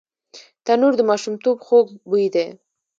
تنور د ماشومتوب خوږ بوی لري